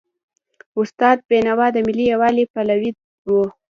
استاد بینوا د ملي یووالي پلوی و.